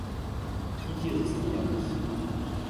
Кити засмеялась.